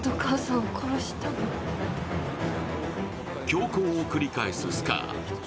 凶行を繰り返すスカー。